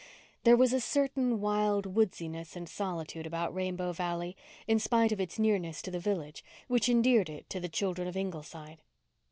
There was a certain wild woodsiness and solitude about Rainbow Valley, in spite of its nearness to the village, which endeared it to the children of Ingleside.